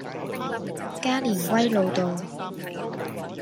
加連威老道